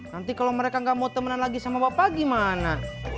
nanti kalau mereka nggak mau temenan lagi sama bapak gimana